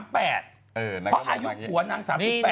เพราะอายุผัวนาง๓๘